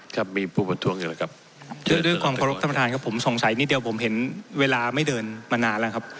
ครับมีผู้บททวงอื่นอะไรครับด้วยด้วยความขอบคุณท่านครับผมสงสัยนิดเดียวผมเห็นเวลาไม่เดินมานานแล้วครับ